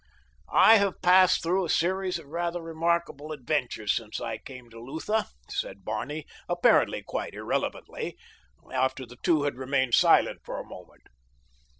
"I have passed through a series of rather remarkable adventures since I came to Lutha," said Barney apparently quite irrelevantly, after the two had remained silent for a moment.